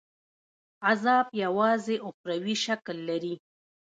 عذاب یوازي اُخروي شکل لري.